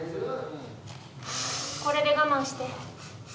これで我慢して。